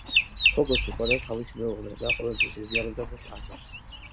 ჰუგოს უყვარდა თავისი მეუღლე და ყოველთვის იზიარებდა მის აზრს.